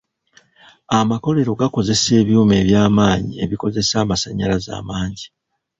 Amakolero gakozesa ebyuma eby'amaanyi ebikozesa amasannyalaze amangi.